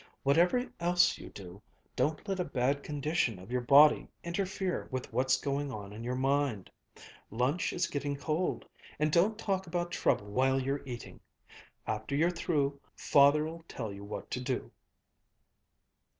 Whatever else you do, don't let a bad condition of your body interfere with what's going on in your mind. Lunch is getting cold and don't talk about trouble while you're eating. After you're through, Father'll tell you what to do."